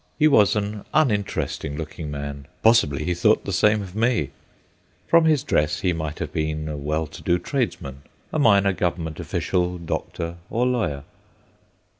He was an uninteresting looking man—possibly he thought the same of me. From his dress he might have been a well to do tradesman, a minor Government official, doctor, or lawyer.